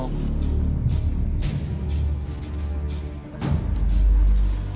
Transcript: memang dia itu dari brimog